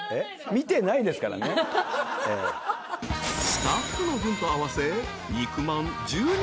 ［スタッフの分と合わせ］